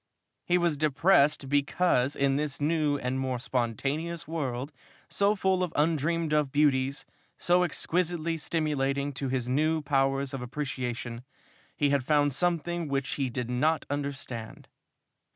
He was depressed because in this new and more spontaneous world, so full of undreamed of beauties, so exquisitely stimulating to his new powers of appreciation, he had found something which he did not understand.